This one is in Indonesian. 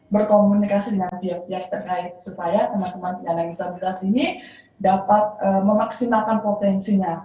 berkomunikasi dengan pihak pihak terkait supaya teman teman penyandang disabilitas ini dapat memaksimalkan potensinya